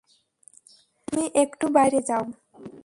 তুমি একটু বাইরে যাও।